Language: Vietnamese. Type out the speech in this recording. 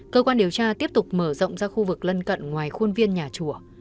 cơ quan điều tra tiếp tục mở rộng ra khu vực lân cận ngoài khuôn viên nhà chùa